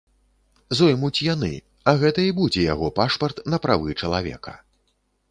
Зоймуць яны, а гэта і будзе яго пашпарт на правы чалавека.